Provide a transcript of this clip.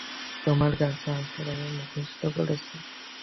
তোমার কাছে আসার আগে মুখস্থ করেছি।